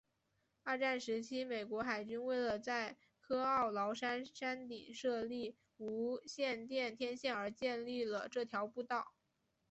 二战时期美国海军为了在科奥劳山山顶设立无线电天线而建立了这条步道。